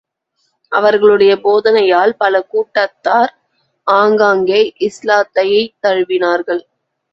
அவர்களுடைய போதனையால் பல கூட்டத்தார் ஆங்காங்கே இஸ்லாத்தைத் தழுவினார்கள்.